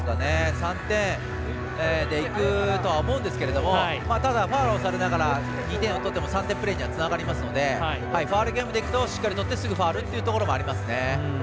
３点でいくとは思うんですけれどもただ、ファウルをされながら２点を取っても３点プレーにはつながりますのでファウルゲームでいくとしっかりとってすぐファウルというところもありますね。